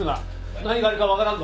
何があるか分からんぞ。